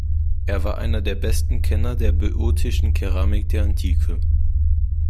Er war einer der besten Kenner der böotischen Keramik der Antike.